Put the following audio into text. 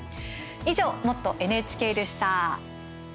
以上、「もっとＮＨＫ」でした。